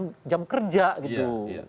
punya jam kerja gitu